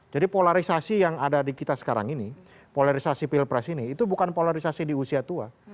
jadi polarisasi yang ada di kita sekarang ini polarisasi pilpres ini itu bukan polarisasi di usia tua